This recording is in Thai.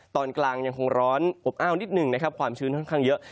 ตอนกลางยังคงร้อนอบอ้าวนิดหนึ่งนะครับความชื้นค่อนข้างเยอะ